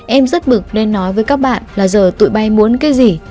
em rất bực nên nói với các bạn là giờ tụi bay muốn cái gì